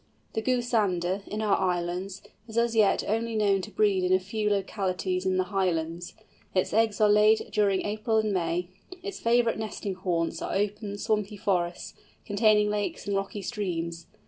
The Goosander, in our islands, is as yet only known to breed in a few localities in the Highlands. Its eggs are laid during April and May. Its favourite nesting haunts are open, swampy forests, containing lakes and rocky streams.